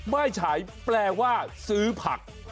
ไม่ฉายแปลว่าซื้อผัก